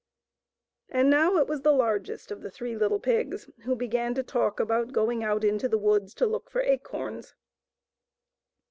And now it was the largest of the three little pigs who began to talk about going out into the woods to look for acorns.